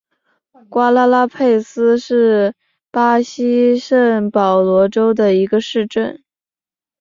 瓜拉拉佩斯是巴西圣保罗州的一个市镇。